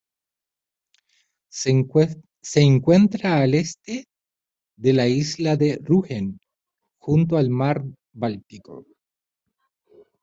Se encuentra al este de la isla de Rügen, junto al mar Báltico.